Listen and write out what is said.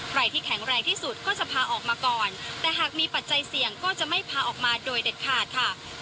ใครที่แข็งแรงที่สุดก็จะพาออกมาก่อนแต่หากมีปัจจัยเสี่ยงก็จะไม่พาออกมาโดยเด็ดขาดค่ะ